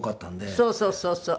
そうそうそうそう。